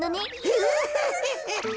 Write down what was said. フッフフフ。